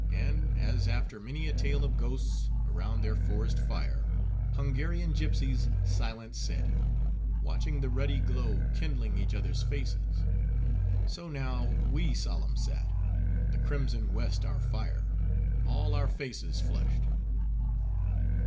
And, as after many a tale of ghosts, around their forest fire, Hungarian gipsies silent sit; watching the ruddy glow kindling each other's faces;—so, now we solemn sat; the crimson West our fire; all our faces flushed.